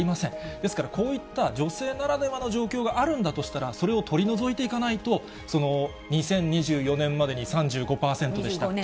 ですから、こういった女性ならではの状況があるんだとしたら、それを取り除いていかないと、２０２４年までに３５％でしたっけ？